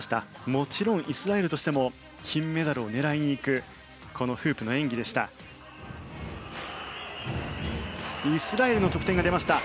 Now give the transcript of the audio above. もちろんイスラエルとしても金メダルを狙いにいくこのフープの演技でした。